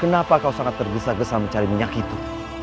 kenapa kau sangat tergesa gesa mencari minyak itu